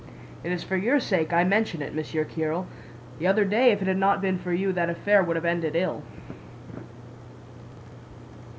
It is for your sake I mention it, Monsieur Kiril. The other day if it had not been for you that affair would have ended ill."